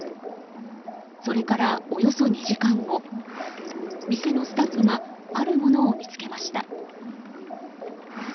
それから、およそ２時間後店のスタッフがあるものを見つけました。